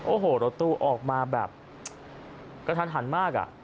โอ้โหรถตู้ออกมาแบบกระทันมาก